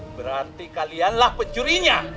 berarti kalianlah penjurinya